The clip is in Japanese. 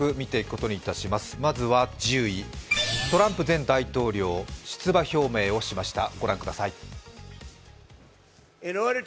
まずは１０位、トランプ前大統領、出馬表明をしました。